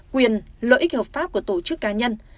quyền lợi ích hợp pháp của tổ chức cá nhân